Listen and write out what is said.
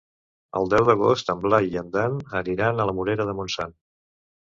El deu d'agost en Blai i en Dan aniran a la Morera de Montsant.